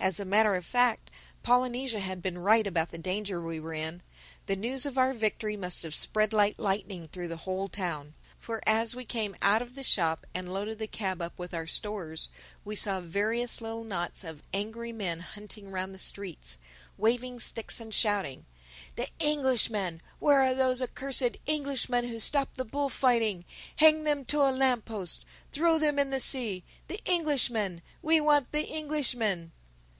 As a matter of fact, Polynesia had been right about the danger we were in. The news of our victory must have spread like lightning through the whole town. For as we came out of the shop and loaded the cab up with our stores, we saw various little knots of angry men hunting round the streets, waving sticks and shouting, "The Englishmen! Where are those accursed Englishmen who stopped the bullfighting?—Hang them to a lamp post!—Throw them in the sea! The Englishmen!—We want the Englishmen!"